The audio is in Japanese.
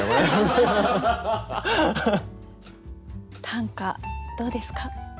短歌どうですか？